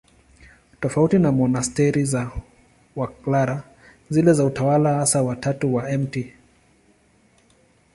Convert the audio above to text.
Tofauti na monasteri za Waklara, zile za Utawa Hasa wa Tatu wa Mt.